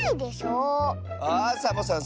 あサボさん